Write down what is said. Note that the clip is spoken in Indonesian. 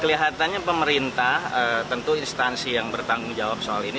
kelihatannya pemerintah tentu instansi yang bertanggung jawab soal ini